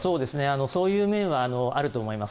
そういう面はあると思います。